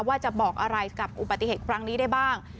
ว่าจะบอกอะไรกับอุบัติเหตุครั้งนี้ได้บ้าง